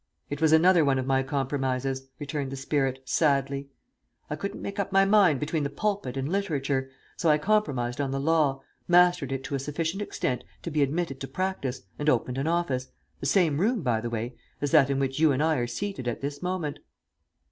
It was another one of my compromises," returned the spirit, sadly. "I couldn't make up my mind between the pulpit and literature, so I compromised on the law, mastered it to a sufficient extent to be admitted to practice, and opened an office the same room, by the way, as that in which you and I are seated at this moment."